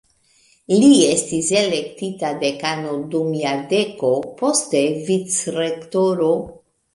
Li estis elektita dekano dum jardeko, poste vicrektoro.